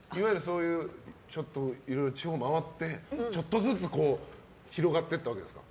ちょっといろいろ地方回ってちょっとずつ広がっていったんですか？